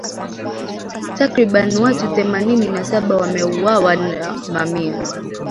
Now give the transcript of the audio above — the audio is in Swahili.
Takribani watu themanini na saba wameuawa na mamia